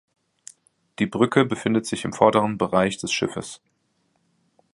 Die Brücke befindet sich im vorderen Bereich des Schiffes.